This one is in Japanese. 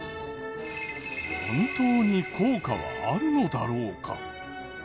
本当に効果はあるのだろうか？